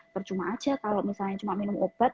percuma aja kalau misalnya cuma minum obat